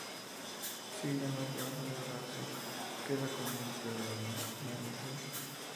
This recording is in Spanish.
Silla más baja de brazos que la común; pero de más magnitud.